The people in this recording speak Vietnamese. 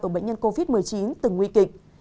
ở bệnh nhân covid một mươi chín từng nguy kịch